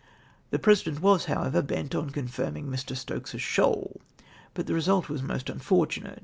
The President was, however, bent on conhrming Mr. Stokes's shoal, but the result was most unfortunate.